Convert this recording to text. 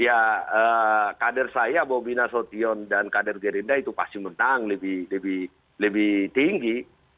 ya kader saya bobina sotion dan kader gerinda itu pasti menang lebih tinggi